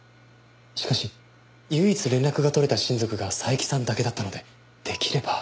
しかし唯一連絡が取れた親族が佐伯さんだけだったのでできれば。